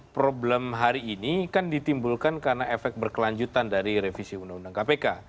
problem hari ini kan ditimbulkan karena efek berkelanjutan dari revisi undang undang kpk